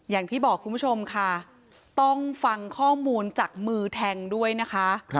อย่างที่บอกคุณผู้ชมค่ะต้องฟังข้อมูลจากมือแทงด้วยนะคะ